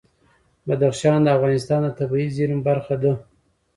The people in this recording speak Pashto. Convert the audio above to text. بدخشان د افغانستان د طبیعي زیرمو برخه ده.